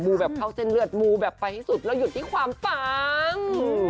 ูแบบเข้าเส้นเลือดมูแบบไปให้สุดแล้วหยุดที่ความปัง